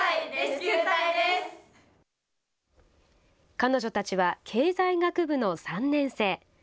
彼女たちは経済学部の３年生。